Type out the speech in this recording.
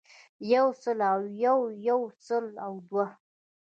يو سل او يو يو سل او دوه